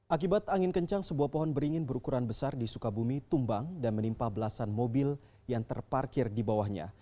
akibat angin kencang sebuah pohon beringin berukuran besar di sukabumi tumbang dan menimpa belasan mobil yang terparkir di bawahnya